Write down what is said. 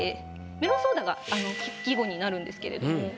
「メロンソーダ」が季語になるんですけれども。